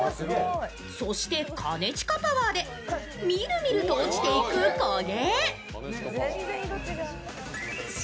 そして兼近パワーでみるみると落ちていく焦げ。